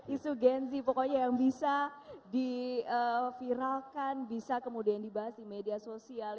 isu genzi pokoknya yang bisa diviralkan bisa kemudian dibahas di media sosial